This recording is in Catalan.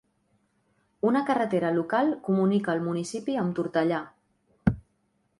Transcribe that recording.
Una carretera local comunica el municipi amb Tortellà.